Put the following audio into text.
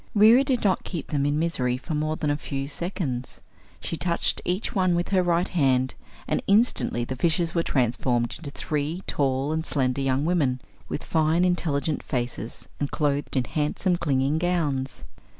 Reera did not keep them in misery more than a few seconds, for she touched each one with her right hand and instantly the fishes were transformed into three tall and slender young women, with fine, intelligent faces and clothed in handsome, clinging gowns.